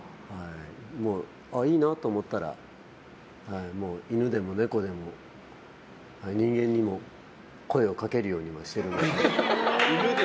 いいなと思ったら犬でも猫でも人間にも声をかけるようにしているんで。